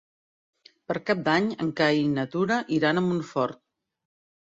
Per Cap d'Any en Cai i na Tura iran a Montfort.